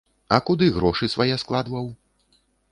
А куды грошы свае складваў?